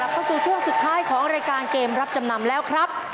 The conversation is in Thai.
เข้าสู่ช่วงสุดท้ายของรายการเกมรับจำนำแล้วครับ